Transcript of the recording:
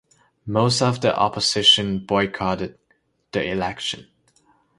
Most of the opposition boycotted the election.